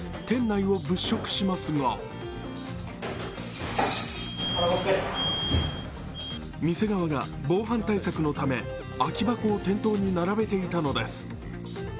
店内を物色しますが店側が防犯対策のため空き箱を店頭に並べていたのです。